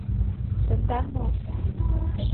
Тендан мо?